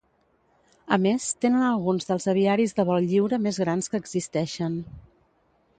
A més tenen alguns dels aviaris de vol lliure més grans que existeixen.